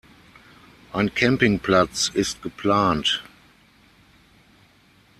Ein Campingplatz ist geplant.